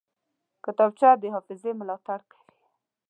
کتابچه د حافظې ملاتړ کوي